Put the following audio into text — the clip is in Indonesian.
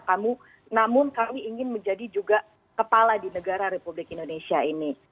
dan kami akan menjadi kepala di negara republik indonesia ini